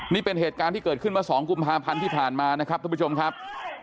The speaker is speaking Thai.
นี่เป็นเหตุการณ์ที่เกิดขึ้นมา๒กุมภาพันธ์ที่ผ่านมานะครับทุกผู้ชมครับ